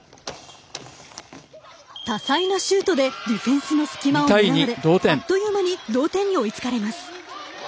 多彩なシュートでディフェンスの隙間を狙われあっという間に同点に追いつかれます。